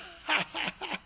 「ハハハハ！